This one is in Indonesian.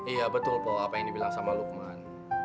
iya betul pola apa yang dibilang sama lukman